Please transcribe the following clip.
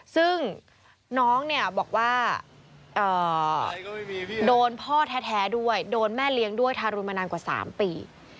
ซึ่งน้องเนี่ยบอกว่าโดนพ่อแท้ด้วยโดนแม่เลี้ยงด้วยทารุณมานานกว่า๓ปี